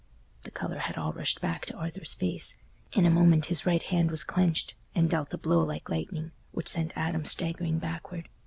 The colour had all rushed back to Arthur's face; in a moment his right hand was clenched, and dealt a blow like lightning, which sent Adam staggering backward.